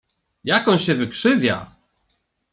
Jak on się wykrzywia!